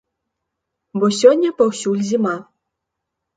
Бо сёння паўсюль зіма.